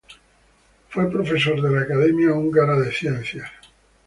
Fue profesor de la Academia Húngara de Ciencias.